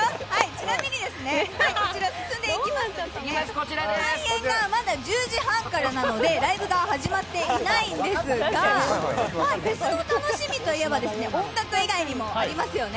ちなみにですね、こちら、開演がまだ１０時半からなのでライブが始まっていないんですが、フェスの楽しみといえば、音楽以外にもありますよね。